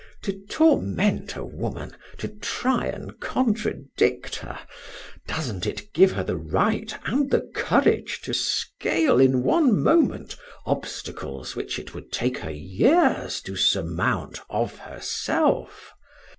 To torment a woman, to try and contradict her doesn't it give her the right and the courage to scale in one moment obstacles which it would take her years to surmount of herself?